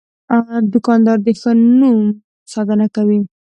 دوکاندار د ښه نوم ساتنه کوي.